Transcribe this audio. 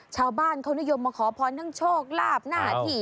ชาวบ้านเข้านิยมมาขอพอนุ่งโชคราบนาถิ